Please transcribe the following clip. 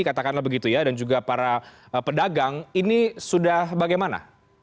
katakanlah begitu ya dan juga para pedagang ini sudah bagaimana